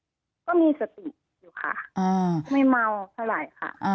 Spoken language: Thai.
ก็มีสติอยู่ค่ะไม่เมาเท่าไหร่ค่ะ